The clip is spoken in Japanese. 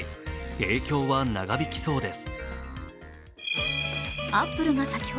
影響は長引きそうです。